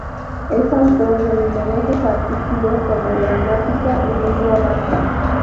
Es autor de numerosos artículos sobre gramática y lengua vasca.